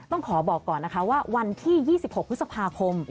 ต้องขอบอกก่อนนะคะว่าวันที่๒๖พฤษภาคม